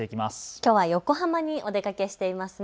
きょうは横浜にお出かけしていますね。